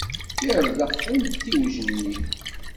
Yerdex umtiweg-nni.